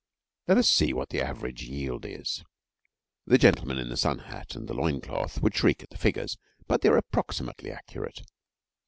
Let us see what the average yield is. The gentleman in the sun hat and the loin cloth would shriek at the figures, but they are approximately accurate.